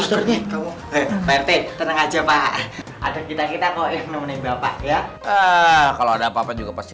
seperti tenang aja pak ada kita kita kok ini bapak ya kalau ada apa apa juga pasti